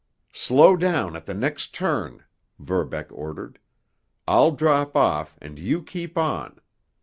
"Slow down at the next turn," Verbeck ordered, "I'll drop off, and you keep on.